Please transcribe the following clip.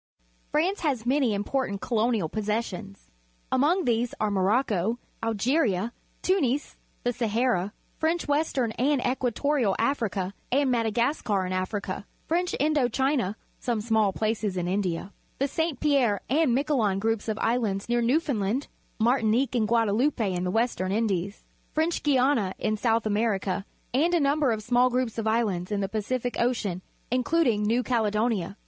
— France has many important colonial po.ssessions. Among these are Moroc co, Algeria, Tunis, the Sahara, French Western and Equatorial Africa, and Madagascar in Africa; French Lndo China: some smaU places in India; the St. Pierre and Miquelon groups of islands near Newfoundland; Martinique 182 PUBLIC SCHOOL GEOGRAPHY and Guadeloupe in the West Indies; French Guiana in South America, and a number of small groups of islands in the Pacific Ocean, including New Caledonia.